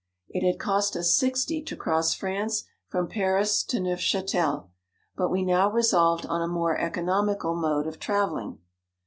It had cost us sixty to cross France from Paris to Neuf chatel ; but we now resolved on a more economical mode of travelling.